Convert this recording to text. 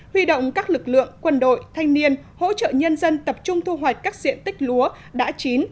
huy động các lực lượng quân đội thanh niên hỗ trợ nhân dân tập trung thu hoạch các diện tích lúa đã chín